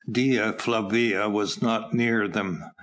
Dea Flavia was not near them.